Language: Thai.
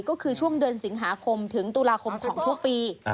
ก็คือช่วงเดือนสิงหาคมถึงตุลาคมของทุกปี